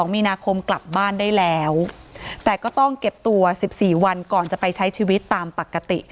มีนาคมกลับบ้านได้แล้วแต่ก็ต้องเก็บตัว๑๔วันก่อนจะไปใช้ชีวิตตามปกติ